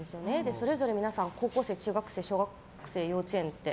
それぞれ皆さん高校生、中学生、小学生幼稚園って。